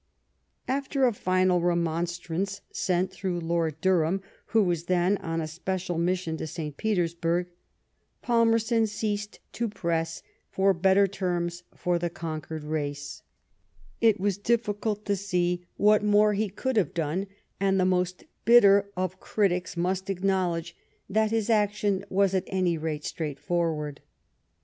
After a final remonstrance, sent through Lord Durham, who was then on a special mission to St. JPetersburg, Palmerston ceased to press for better terms for the conquered race. It is difficult to see what more 64 LIFE OF VI3C0UNT PALMEB8T0N. he ooald have done, and the most bitter of critics most acknowledge that his action was at any rate straight forward.